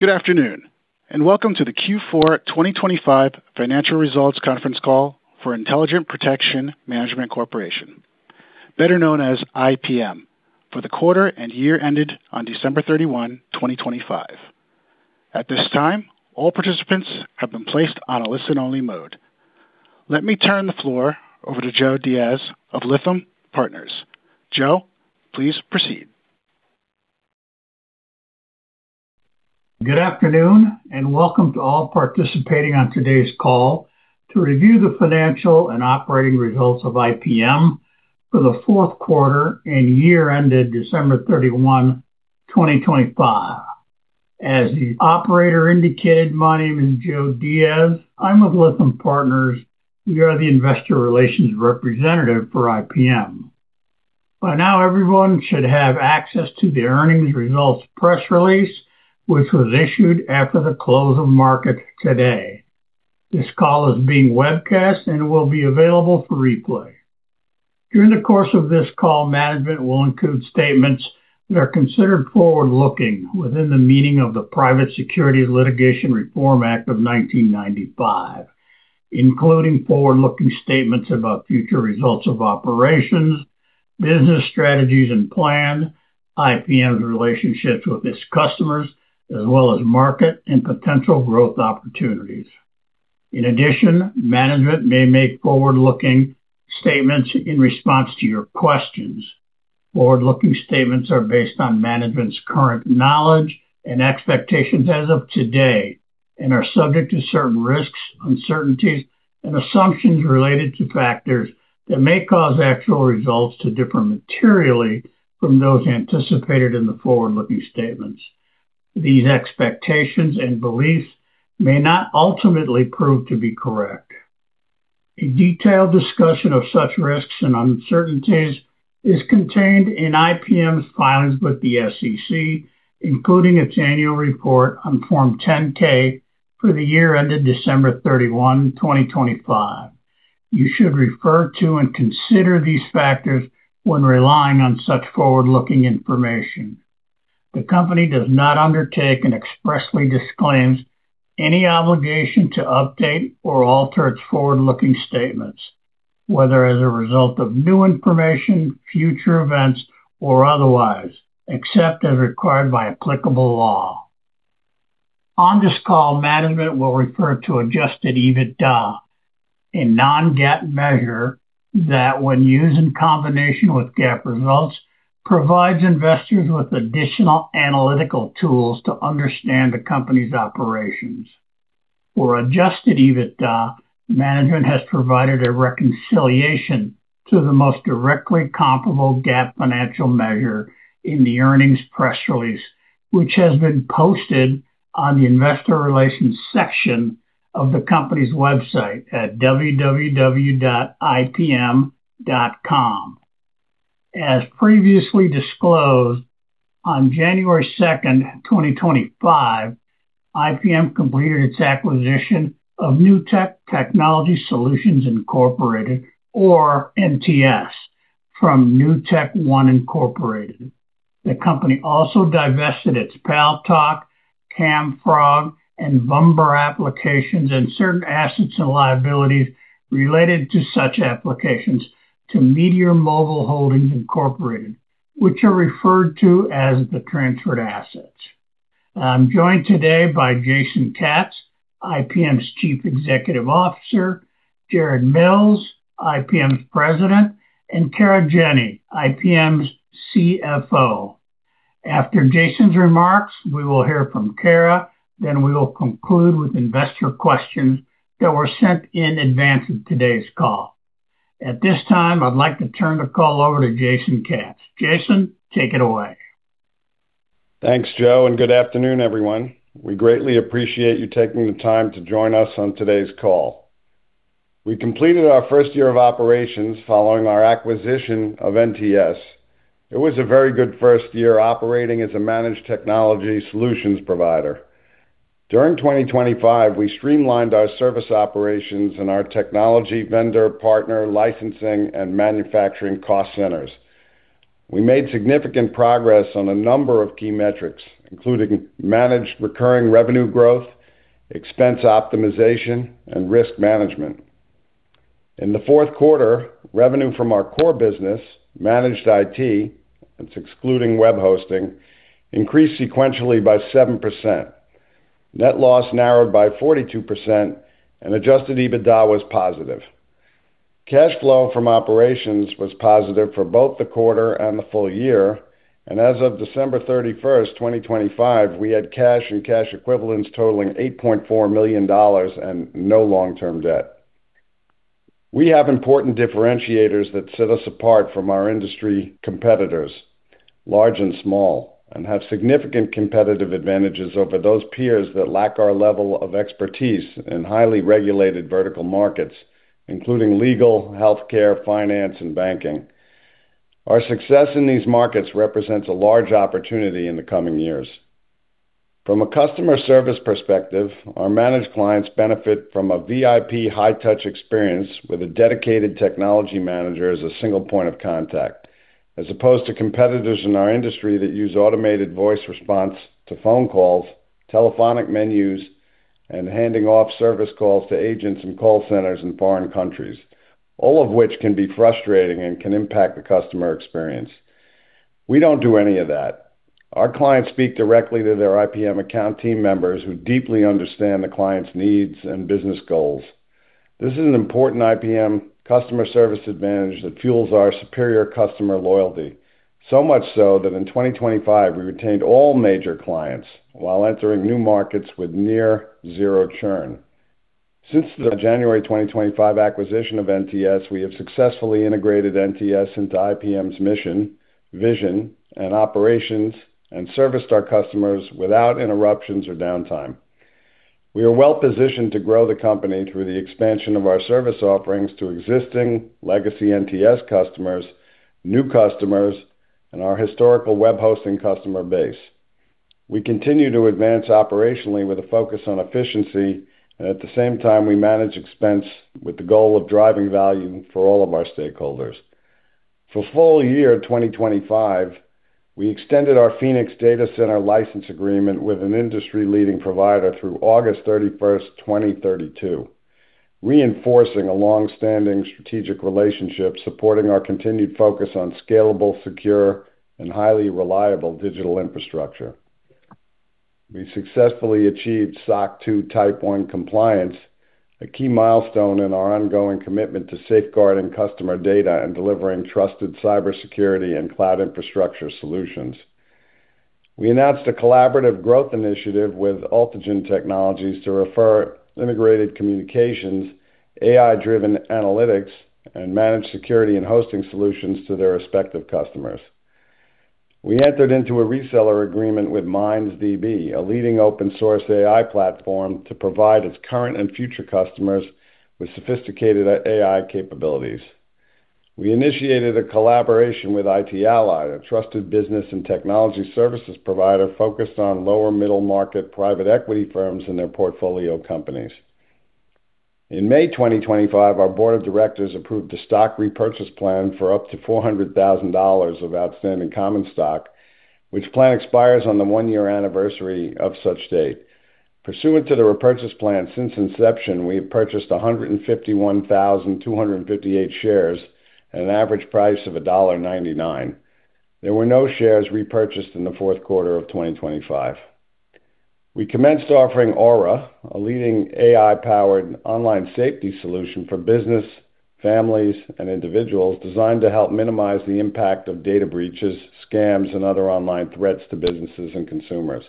Good afternoon, and welcome to the Q4 2025 financial results conference call for Intelligent Protection Management Corporation, better known as IPM, for the quarter and year ended on December 31, 2025. At this time, all participants have been placed on a listen-only mode. Let me turn the floor over to Joe Diaz of Lytham Partners. Joe, please proceed. Good afternoon, and welcome to all participating on today's call to review the financial and operating results of IPM for the fourth quarter and year ended December 31, 2025. As the operator indicated, my name is Joe Diaz. I'm with Lytham Partners. We are the investor relations representative for IPM. By now, everyone should have access to the earnings results press release, which was issued after the close of market today. This call is being webcast and will be available for replay. During the course of this call, management will include statements that are considered forward-looking within the meaning of the Private Securities Litigation Reform Act of 1995, including forward-looking statements about future results of operations, business strategies and plan, IPM's relationships with its customers, as well as market and potential growth opportunities. In addition, management may make forward-looking statements in response to your questions. Forward-looking statements are based on management's current knowledge and expectations as of today and are subject to certain risks, uncertainties and assumptions related to factors that may cause actual results to differ materially from those anticipated in the forward-looking statements. These expectations and beliefs may not ultimately prove to be correct. A detailed discussion of such risks and uncertainties is contained in IPM's filings with the SEC, including its annual report on Form 10-K for the year ended December 31, 2025. You should refer to and consider these factors when relying on such forward-looking information. The company does not undertake and expressly disclaims any obligation to update or alter its forward-looking statements, whether as a result of new information, future events or otherwise, except as required by applicable law. On this call, management will refer to adjusted EBITDA, a non-GAAP measure that, when used in combination with GAAP results, provides investors with additional analytical tools to understand the company's operations. For adjusted EBITDA, management has provided a reconciliation to the most directly comparable GAAP financial measure in the earnings press release, which has been posted on the investor relations section of the company's website at www.ipm.com. As previously disclosed, on January 2, 2025, IPM completed its acquisition of Newtek Technology Solutions, Inc., or NTS, from NewtekOne, Inc. The company also divested its Paltalk, Camfrog, and Vumber applications and certain assets and liabilities related to such applications to Meteor Mobile Holdings, Inc., which are referred to as the transferred assets. I'm joined today by Jason Katz, IPM's Chief Executive Officer, Jared Mills, IPM's President, and Kara Jenny, IPM's CFO. After Jason's remarks, we will hear from Kara, then we will conclude with investor questions that were sent in advance of today's call. At this time, I'd like to turn the call over to Jason Katz. Jason, take it away. Thanks, Joe, and good afternoon, everyone. We greatly appreciate you taking the time to join us on today's call. We completed our first year of operations following our acquisition of NTS. It was a very good first year operating as a managed technology solutions provider. During 2025, we streamlined our service operations and our technology vendor partner licensing and manufacturing cost centers. We made significant progress on a number of key metrics, including managed recurring revenue growth, expense optimization, and risk management. In the fourth quarter, revenue from our core business, Managed IT, that's excluding web hosting, increased sequentially by 7%. Net loss narrowed by 42% and adjusted EBITDA was positive. Cash flow from operations was positive for both the quarter and the full year. As of December 31, 2025, we had cash and cash equivalents totaling $8.4 million and no long-term debt. We have important differentiators that set us apart from our industry competitors, large and small, and have significant competitive advantages over those peers that lack our level of expertise in highly regulated vertical markets, including legal, healthcare, finance, and banking. Our success in these markets represents a large opportunity in the coming years. From a customer service perspective, our managed clients benefit from a VIP high-touch experience with a dedicated technology manager as a single point of contact, as opposed to competitors in our industry that use automated voice response to phone calls, telephonic menus and handing off service calls to agents in call centers in foreign countries, all of which can be frustrating and can impact the customer experience. We don't do any of that. Our clients speak directly to their IPM account team members who deeply understand the client's needs and business goals. This is an important IPM customer service advantage that fuels our superior customer loyalty. So much so that in 2025, we retained all major clients while entering new markets with near zero churn. Since the January 2025 acquisition of NTS, we have successfully integrated NTS into IPM's mission, vision, and operations, and serviced our customers without interruptions or downtime. We are well-positioned to grow the company through the expansion of our service offerings to existing legacy NTS customers, new customers, and our historical web hosting customer base. We continue to advance operationally with a focus on efficiency, and at the same time, we manage expense with the goal of driving value for all of our stakeholders. For full year 2025, we extended our Phoenix data center license agreement with an industry-leading provider through August 31, 2032, reinforcing a long-standing strategic relationship supporting our continued focus on scalable, secure, and highly reliable digital infrastructure. We successfully achieved SOC 2 Type 1 compliance, a key milestone in our ongoing commitment to safeguarding customer data and delivering trusted cybersecurity and cloud infrastructure solutions. We announced a collaborative growth initiative with AltiGen Technologies to refer integrated communications, AI-driven analytics, and managed security and hosting solutions to their respective customers. We entered into a reseller agreement with MindsDB, a leading open source AI platform, to provide its current and future customers with sophisticated AI capabilities. We initiated a collaboration with IT Ally, a trusted business and technology services provider focused on lower middle market private equity firms and their portfolio companies. In May 2025, our board of directors approved a stock repurchase plan for up to $400,000 of outstanding common stock, which plan expires on the one-year anniversary of such date. Pursuant to the repurchase plan since inception, we have purchased 151,258 shares at an average price of $1.99. There were no shares repurchased in the fourth quarter of 2025. We commenced offering Aura, a leading AI-powered online safety solution for business, families, and individuals designed to help minimize the impact of data breaches, scams, and other online threats to businesses and consumers.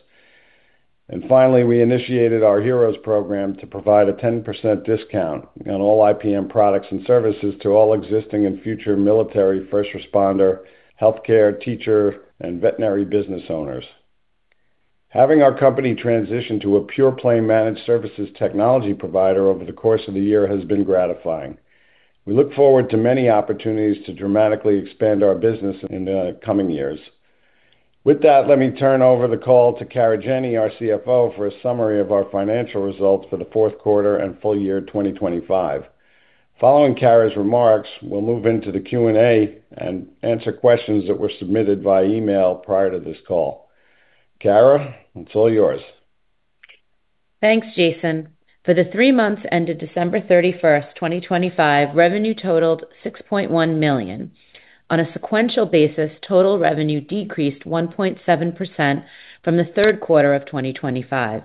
Finally, we initiated our Heroes Program to provide a 10% discount on all IPM products and services to all existing and future military, first responder, healthcare, teacher, and veterinary business owners. Having our company transition to a pure play managed services technology provider over the course of the year has been gratifying. We look forward to many opportunities to dramatically expand our business in the coming years. With that, let me turn over the call to Kara Jenny, our CFO, for a summary of our financial results for the fourth quarter and full year 2025. Following Kara's remarks, we'll move into the Q&A and answer questions that were submitted via email prior to this call. Kara, it's all yours. Thanks, Jason. For the three months ended December 31st, 2025, revenue totaled $6.1 million. On a sequential basis, total revenue decreased 1.7% from the third quarter of 2025.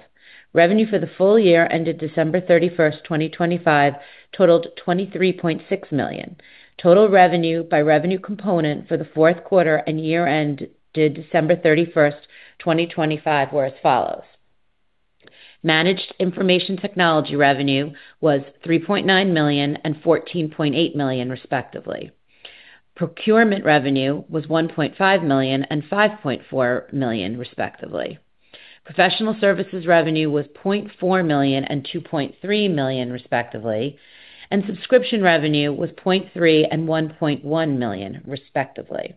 Revenue for the full year ended December 31st, 2025 totaled $23.6 million. Total revenue by revenue component for the fourth quarter and year ended December 31st, 2025 were as follows. Managed information technology revenue was $3.9 million and $14.8 million, respectively. Procurement revenue was $1.5 million and $5.4 million, respectively. Professional services revenue was $0.4 million and $2.3 million, respectively, and subscription revenue was $0.3 million and $1.1 million, respectively.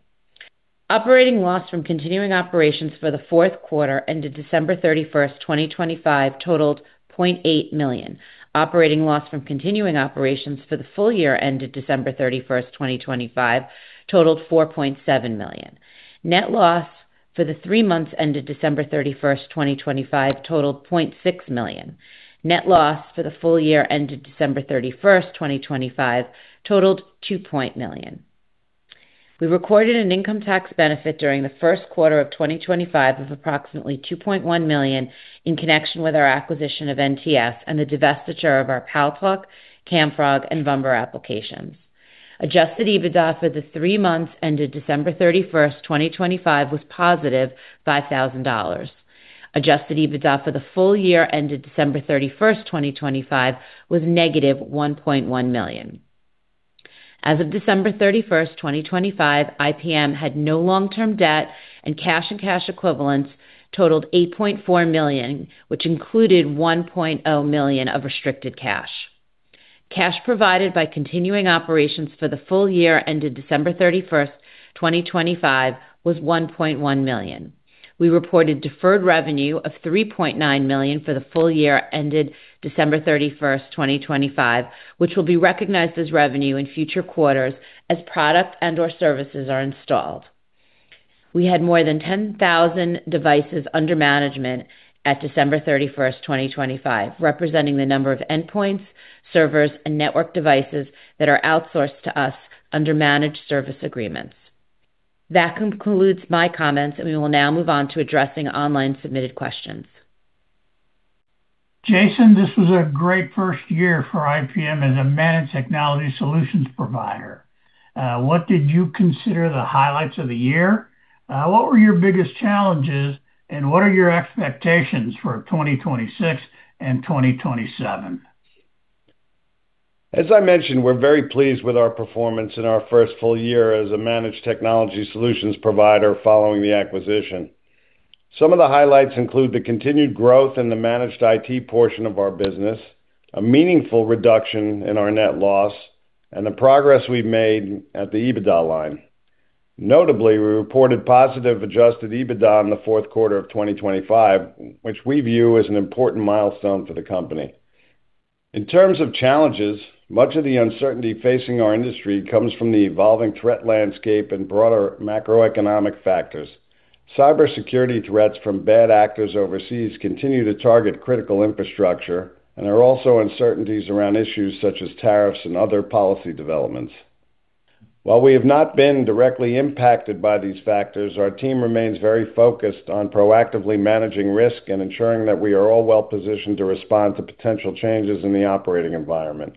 Operating loss from continuing operations for the fourth quarter ended December 31st, 2025 totaled $0.8 million. Operating loss from continuing operations for the full year ended December 31st, 2025 totaled $4.7 million. Net loss for the three months ended December 31st, 2025 totaled $0.6 million. Net loss for the full year ended December 31st, 2025 totaled $2 million. We recorded an income tax benefit during the first quarter of 2025 of approximately $2.1 million in connection with our acquisition of NTS and the divestiture of our Paltalk, Camfrog and Vumber applications. Adjusted EBITDA for the three months ended December 31st, 2025 was +$5,000. Adjusted EBITDA for the full year ended December 31st, 2025 was -$1.1 million. As of December 31st, 2025, IPM had no long-term debt, and cash and cash equivalents totaled $8.4 million, which included $1 million of restricted cash. Cash provided by continuing operations for the full year ended December 31st, 2025 was $1.1 million. We reported deferred revenue of $3.9 million for the full year ended December 31st, 2025, which will be recognized as revenue in future quarters as product and/or services are installed. We had more than 10,000 devices under management at December 31st, 2025, representing the number of endpoints, servers, and network devices that are outsourced to us under managed service agreements. That concludes my comments, and we will now move on to addressing online submitted questions. Jason, this was a great first year for IPM as a managed technology solutions provider. What did you consider the highlights of the year? What were your biggest challenges, and what are your expectations for 2026 and 2027? As I mentioned, we're very pleased with our performance in our first full year as a managed technology solutions provider following the acquisition. Some of the highlights include the continued growth in the managed IT portion of our business, a meaningful reduction in our net loss, and the progress we've made at the EBITDA line. Notably, we reported positive adjusted EBITDA in the fourth quarter of 2025, which we view as an important milestone for the company. In terms of challenges, much of the uncertainty facing our industry comes from the evolving threat landscape and broader macroeconomic factors. Cybersecurity threats from bad actors overseas continue to target critical infrastructure, and there are also uncertainties around issues such as tariffs and other policy developments. While we have not been directly impacted by these factors, our team remains very focused on proactively managing risk and ensuring that we are all well positioned to respond to potential changes in the operating environment.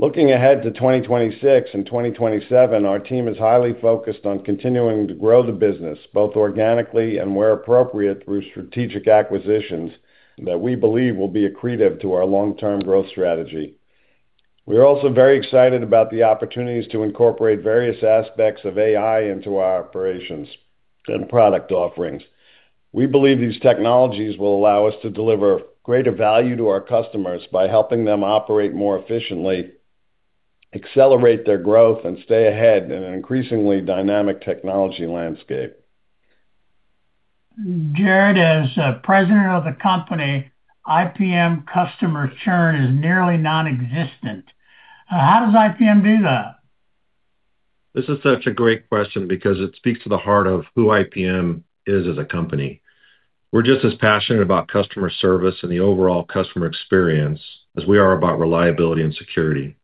Looking ahead to 2026 and 2027, our team is highly focused on continuing to grow the business, both organically and where appropriate, through strategic acquisitions that we believe will be accretive to our long-term growth strategy. We are also very excited about the opportunities to incorporate various aspects of AI into our operations and product offerings. We believe these technologies will allow us to deliver greater value to our customers by helping them operate more efficiently, accelerate their growth, and stay ahead in an increasingly dynamic technology landscape. Jared, as President of the company, IPM customer churn is nearly non-existent. How does IPM do that? This is such a great question because it speaks to the heart of who IPM is as a company. We're just as passionate about customer service and the overall customer experience as we are about reliability and security.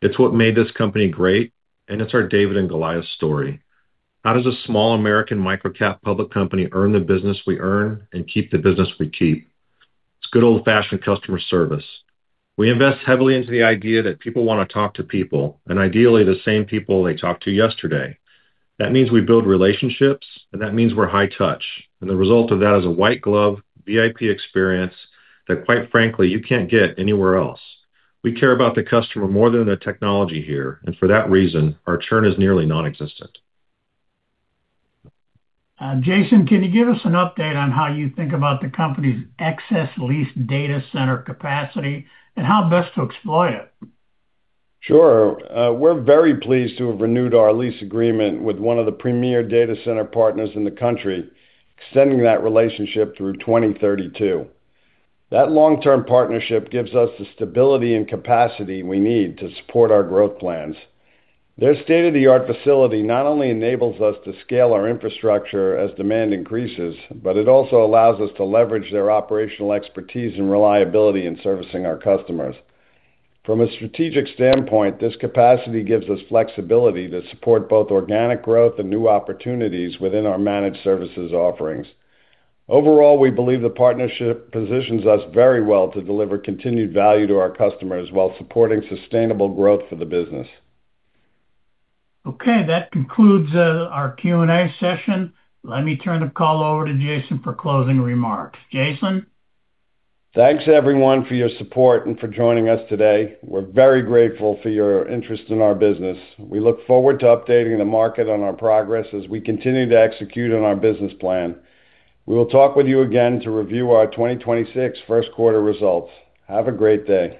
It's what made this company great, and it's our David and Goliath story. How does a small American micro-cap public company earn the business we earn and keep the business we keep? It's good old-fashioned customer service. We invest heavily into the idea that people wanna talk to people, and ideally the same people they talked to yesterday. That means we build relationships, and that means we're high touch. The result of that is a white glove VIP experience that quite frankly, you can't get anywhere else. We care about the customer more than the technology here, and for that reason, our churn is nearly non-existent. Jason, can you give us an update on how you think about the company's excess leased data center capacity and how best to exploit it? Sure. We're very pleased to have renewed our lease agreement with one of the premier data center partners in the country, extending that relationship through 2032. That long-term partnership gives us the stability and capacity we need to support our growth plans. Their state-of-the-art facility not only enables us to scale our infrastructure as demand increases, but it also allows us to leverage their operational expertise and reliability in servicing our customers. From a strategic standpoint, this capacity gives us flexibility to support both organic growth and new opportunities within our managed services offerings. Overall, we believe the partnership positions us very well to deliver continued value to our customers while supporting sustainable growth for the business. Okay. That concludes our Q&A session. Let me turn the call over to Jason for closing remarks. Jason? Thanks everyone for your support and for joining us today. We're very grateful for your interest in our business. We look forward to updating the market on our progress as we continue to execute on our business plan. We will talk with you again to review our 2026 first quarter results. Have a great day.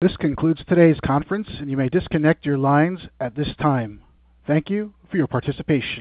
This concludes today's conference, and you may disconnect your lines at this time. Thank you for your participation.